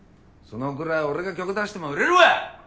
そのぐらい俺が曲出しても売れるわ！